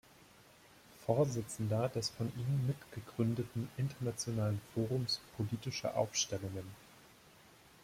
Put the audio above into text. Vorsitzender des von ihm mitgegründeten "Internationalen Forums Politische Aufstellungen".